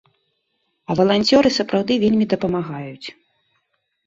А валанцёры сапраўды вельмі дапамагаюць.